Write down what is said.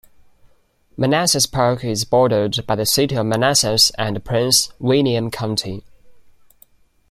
Manassas Park is bordered by the city of Manassas and Prince William County.